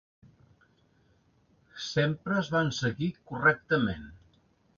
Sempre es van seguir correctament.